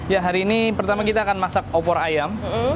ya hari ini pertama kita akan masak opor ayam